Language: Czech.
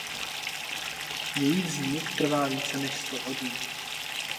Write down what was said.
Její vznik trvá více než sto hodin.